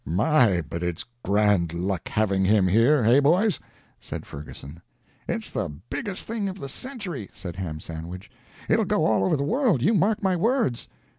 "My, but it's grand luck having him here hey, boys?" said Ferguson. "It's the biggest thing of the century," said Ham Sandwich. "It 'll go all over the world; you mark my words."